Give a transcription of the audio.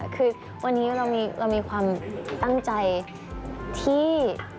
คือวันนี้เรามีความตั้งใจที่